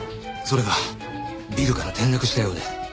それがビルから転落したようで。